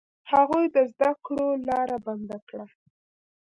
هغوی د زده کړو لاره بنده کړه.